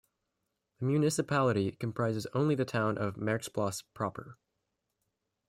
The municipality comprises only the town of Merksplas proper.